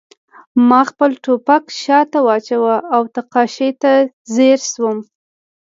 ما خپل ټوپک شاته واچاوه او نقاشۍ ته ځیر شوم